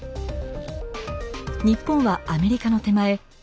日本はアメリカの手前